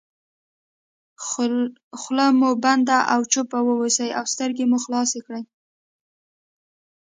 خوله مو بنده او چوپ واوسئ او سترګې مو خلاصې کړئ.